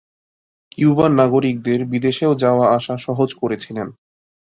কিউবার নাগরিকদের বিদেশও যাওয়া আসা সহজ করেছিলেন।